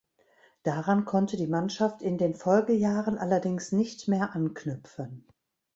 Daran konnte die Mannschaft in den Folgejahren allerdings nicht mehr anknüpfen.